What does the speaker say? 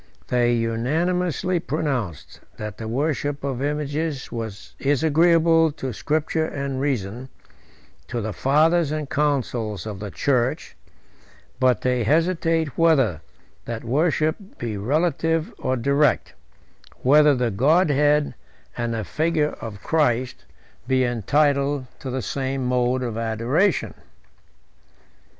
They unanimously pronounced, that the worship of images is agreeable to Scripture and reason, to the fathers and councils of the church: but they hesitate whether that worship be relative or direct; whether the Godhead, and the figure of Christ, be entitled to the same mode of adoration.